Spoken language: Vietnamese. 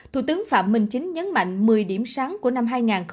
thủ tướng phạm minh chính nhấn mạnh một mươi điểm sáng của năm hai nghìn hai mươi